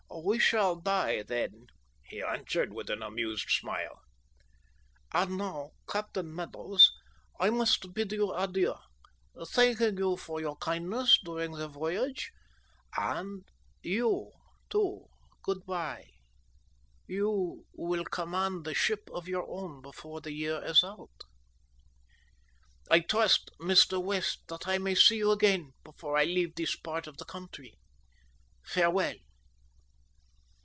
"We shall die then," he answered, with an amused smile. "And now, Captain Meadows, I must bid you adieu, thanking you for your kindness during the voyage, and you, too, good bye you will command a ship of your own before the year is out. I trust, Mr. West, that I may see you again before I leave this part of the country. Farewell!"